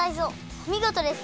おみごとです！